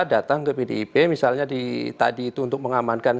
datang ke pdip misalnya di tadi itu untuk mengamankan